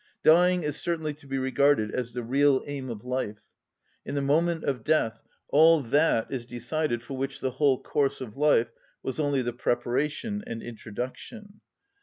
Dying is certainly to be regarded as the real aim of life: in the moment of death all that is decided for which the whole course of life was only the preparation and introduction.